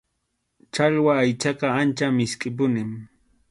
Challwa aychaqa ancha miskʼipunim.